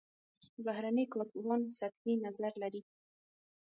بهرني کارپوهان سطحي نظر لري.